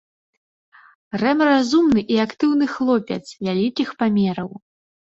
Рэм разумны і актыўны хлопец вялікіх памераў.